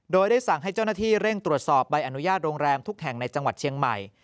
โดยได้สั่งให้เจ้าหน้าที่เร่งตรวจสอบใบอนุญาตโรงแรมทุกแห่งในจังหวัดเชียงใหม่